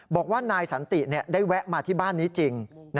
บอกว่านายสันติได้แวะมาที่บ้านนี้จริง